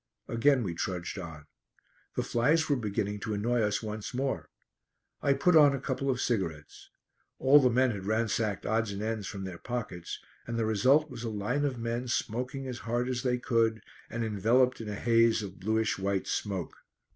Again we trudged on. The flies were beginning to annoy us once more. I put on a couple of cigarettes. All the men had ransacked odds and ends from their pockets, and the result was a line of men smoking as hard as they could, and enveloped in a haze of bluish white smoke.